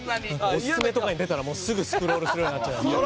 オススメとかに出たらすぐスクロールするようになっちゃいました。